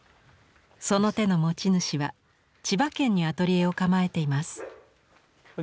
その手の持ち主は千葉県にアトリエを構えています。